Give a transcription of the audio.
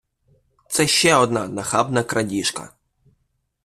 Це ще одна нахабна крадіжка.